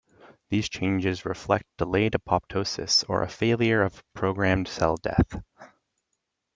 These changes reflect delayed apoptosis or a failure of programmed cell death.